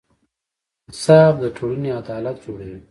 انصاف د ټولنې عدالت جوړوي.